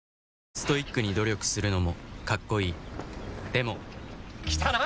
ストイックに努力するのもカッコいいでも来たな！